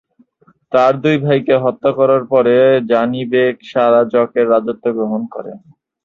তার দুই ভাইকে হত্যা করার পরে, জানি বেগ সারা-জকের রাজত্ব গ্রহণ করেন।